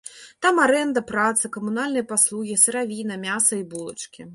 Там арэнда, праца, камунальныя паслугі, сыравіна, мяса і булачкі.